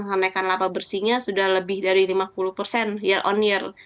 samaikan laporan bersihnya sudah lebih dari lima puluh year on year